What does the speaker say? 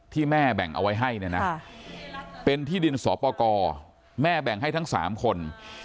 แม่แบ่งเอาไว้ให้เนี่ยนะเป็นที่ดินสอปกรแม่แบ่งให้ทั้ง๓คน